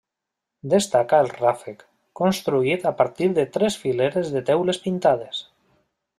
Destaca el ràfec, construït a partir de tres fileres de teules pintades.